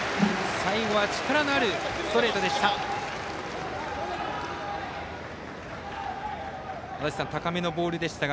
最後は力のあるストレートでした。